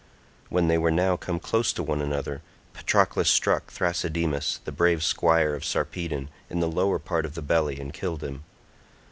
When they were now come close to one another Patroclus struck Thrasydemus, the brave squire of Sarpedon, in the lower part of the belly, and killed him.